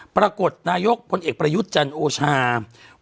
ปรากฏหน้ายกพลเอกปรยุจันทร์โอชาศจรรย์